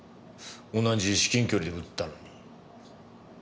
同じ至近距離で撃ったのに。